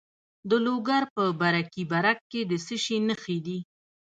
د لوګر په برکي برک کې د څه شي نښې دي؟